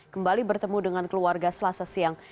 kembali bertemu dengan keluarga selasa siang